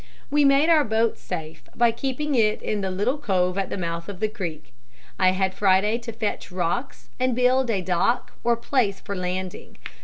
"We made our boat safe by keeping it in the little cove at the mouth of the creek. I had Friday to fetch rocks and build a dock or place for landing.